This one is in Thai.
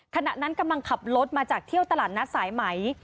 ขณะนั้นกำลังขับรถมาจากเที่ยวตลาดนัดสายไหม